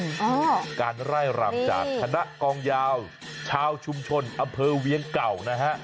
อ่าการไล่รำจากคณะกองยาวชาวชุมชนอำเภอเวียงเก่านะฮะ